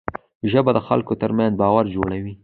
ژبه د خلکو ترمنځ باور جوړوي